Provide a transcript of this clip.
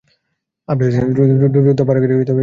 দ্রুত, পাহাড়ে ঘেষে শুয়ে পড়!